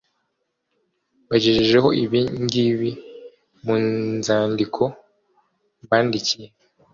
Mbagejejeho ibi ngibi mu nzandiko mbandikiye